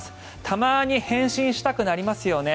たまに変身したくなりますよね